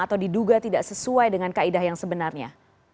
atau diduga tidak sesuai dengan kaedah yang sebenarnya